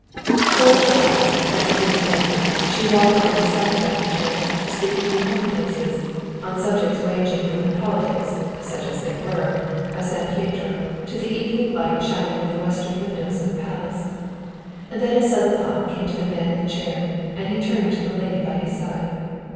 For a little while, after greeting Edward, she walked on beside the bath chair, speaking of commonplaces, on subjects ranging from the politics (such as they were) of San Pietro to the evening light shining in the western windows of the palace. Then a sudden thought came to the man in the chair and he turned to the lady by his side.